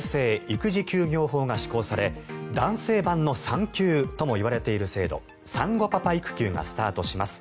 育児休業法が施行され男性版の産休ともいわれている制度産後パパ育休がスタートします。